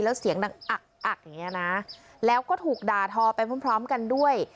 และเสียงดังอักอย่างเนี่ยนะแล้วก็ถูกด่าทอไปพร้อมกันด้วย